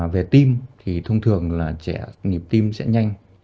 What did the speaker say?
về tim thì thông thường là trẻ nhịp tim sẽ nhanh